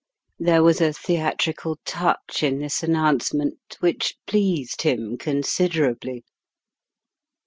There was a theatrical touch in this announcement which pleased him considerably.